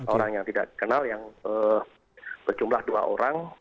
orang yang tidak dikenal yang berjumlah dua orang